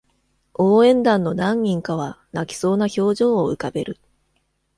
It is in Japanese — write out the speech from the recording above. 応援団の何人かは泣きそうな表情を浮かべる